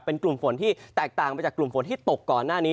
เป็นกลุ่มฝนที่แตกต่างไปจากกลุ่มฝนที่ตกก่อนหน้านี้